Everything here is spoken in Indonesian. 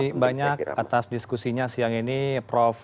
terima kasih banyak atas diskusinya siang ini prof